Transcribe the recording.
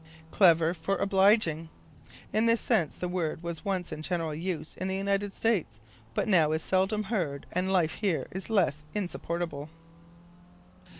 Clever for Obliging. In this sense the word was once in general use in the United States, but is now seldom heard and life here is less insupportable.